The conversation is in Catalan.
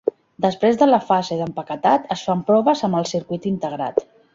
Després de la fase d'empaquetat, es fan proves amb el circuit integrat.